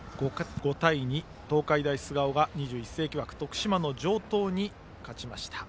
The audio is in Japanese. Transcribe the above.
５対２、東海大菅生が２１世紀枠の徳島の城東に勝ちました。